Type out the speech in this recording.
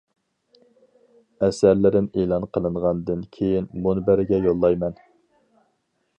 ئەسەرلىرىم ئېلان قىلىنغاندىن كىيىن مۇنبەرگە يوللايمەن.